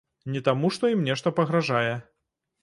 Не таму, што ім нешта пагражае.